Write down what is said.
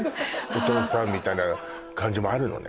お父さん」みたいな感じもあるのね